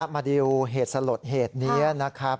มาดูเหตุสลดเหตุนี้นะครับ